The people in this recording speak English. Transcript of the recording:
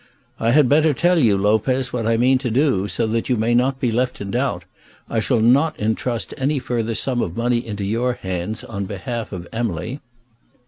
"I had better tell you, Lopez, what I mean to do, so that you may not be left in doubt. I shall not intrust any further sum of money into your hands on behalf of Emily."